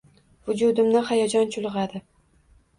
Vujudimni hayajon chulg’adi.